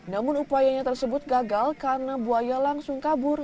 namun upayanya tersebut gagal karena buaya langsung kabur